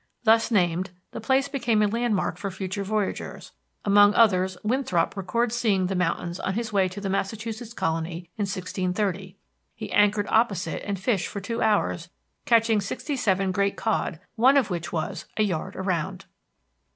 Thus named, the place became a landmark for future voyagers; among others Winthrop records seeing the mountains on his way to the Massachusetts colony in 1630. He anchored opposite and fished for two hours, catching "sixty seven great cod," one of which was "a yard around."